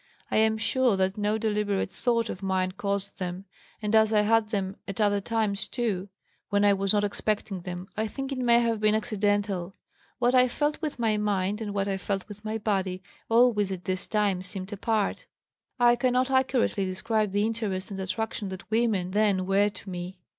I am sure that no deliberate thought of mine caused them, and as I had them at other times too, when I was not expecting them, I think it may have been accidental. What I felt with my mind and what I felt with my body always at this time seemed apart. I cannot accurately describe the interest and attraction that women then were to me.